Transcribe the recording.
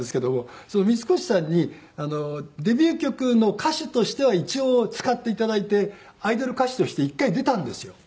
三越さんにデビュー曲の歌手としては一応使って頂いてアイドル歌手として１回出たんですよ。